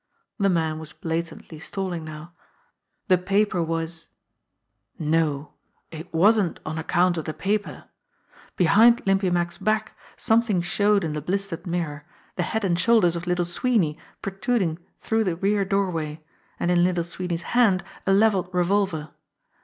The man was blatantly stalling now. The paper was no, it wasn't on account of the paper. Behind Limpy Mack's back something showed in the blistered mirror the head and shoulders of Little Sweeney protruding through the rear doorway, and in Little Sweeney's hand a levelled revolver.